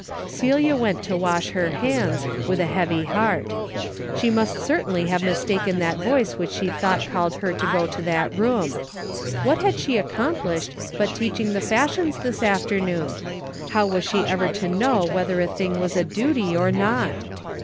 Celia went to wash her hands, with a heavy heart. She must certainly have mistaken that voice which she thought called her to go to that room. AVhat had she accomplished but teaching the fashions this afternoon ? How was she ever to know whether a thing was a duty or not